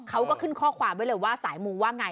เขาก็ขึ้นความว่าสายมูว่ากไง